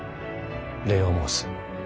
礼を申す。